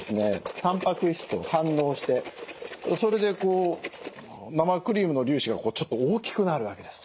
タンパク質と反応してそれでこう生クリームの粒子がちょっと大きくなるわけです。